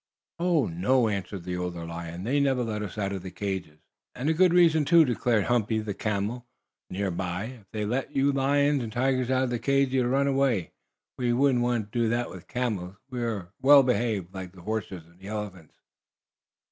"Oh, no," answered the older lion. "They never let us out of the cages." "And a good reason, too," declared a humpy camel, near by. "If they let you lions and tigers out of the cages, you'd run away. We wouldn't do that. We camels are well behaved, like the horses and the elephants."